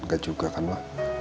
gak juga kan ma